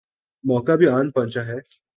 موقع بھی آن پہنچا ہے۔